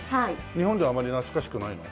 日本ではあまり懐かしくないの？